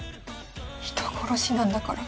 人殺しなんだから。